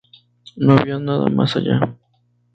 No había nada más allá.